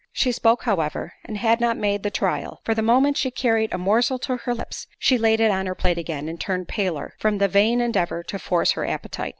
She spoke, however, and had not made the trial; for the moment she carried a morsel to her lips, she laid it on her plate again, and turned paler, from the vain endeavour to force her appetite.